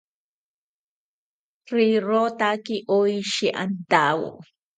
Rirotaki oshi antawo